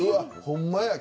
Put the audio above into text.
ホンマや。